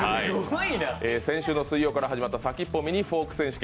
先週の水曜から始まった先っぽミニフォーク選手権。